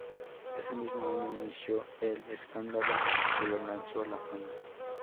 Ese mismo año inició el escándalo que lo lanzó a la fama.